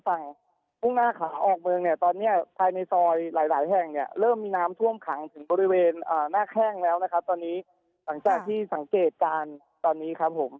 ตัวนี้ภายในซอยหลายหลายแห่งเริ่มมีน้ำช่วมขังกับบริเวณนาคแห้งแล้วนะครับตอนนี้